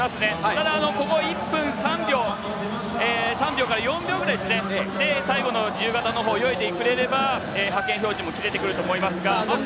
ただ、ここを１分３秒から４秒くらいで最後の自由形を泳いでくれれば派遣標準も切れてくると思います。